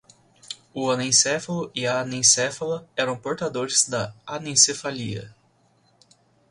O anencéfalo e a anencéfala eram portadores da anencefalia